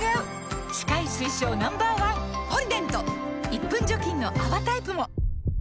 １分除菌の泡タイプも！